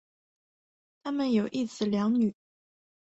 他们有一子两女。